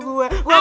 gua lalu berpaham